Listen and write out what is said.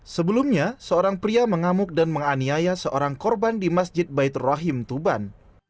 sebelumnya seorang pria mengamuk dan menganiaya seorang korban di masjid baitur rahim tuban